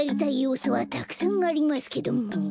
うそはたくさんありますけども。